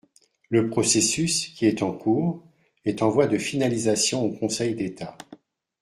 Le processus, qui est en cours, est en voie de finalisation au Conseil d’État.